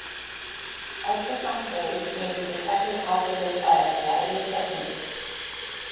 Ultrasound waves may be detected optically by a variety of techniques.